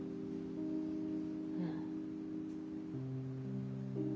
うん。